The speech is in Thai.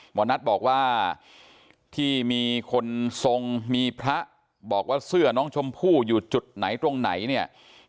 หมอนัทบอกว่าที่มีคนทรงมีพระบอกว่าเสื้อน้องชมพู่อยู่จุดไหนตรงไหนเนี่ย